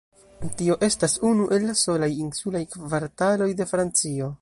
Tio estas unu el la solaj insulaj kvartaloj de Francio.